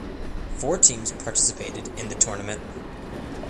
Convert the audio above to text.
Four teams participated in the tournament.